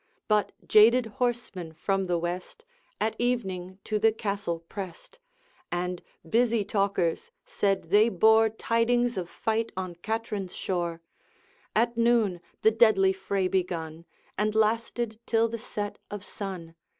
But jaded horsemen from the west At evening to the Castle pressed, And busy talkers said they bore Tidings of fight on Katrine's shore; At noon the deadly fray begun, And lasted till the set of sun.